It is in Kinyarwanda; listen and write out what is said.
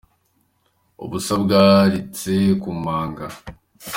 Ubusa bwaritse ku manga.